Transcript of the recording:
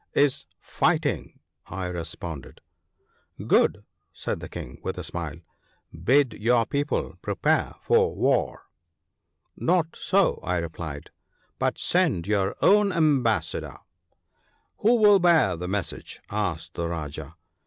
Is fighting !' I responded. ' Good !' said the King, with a smile ;' bid your people prepare for war.' ' Not so/ I replied ;' but send your own ambassador.' ' Who will bear the message ?' asked the Rajah.